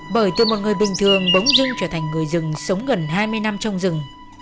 bởi từ một người bình thường bống rưng trở thành người rừng sống gần hai mươi năm trong rừng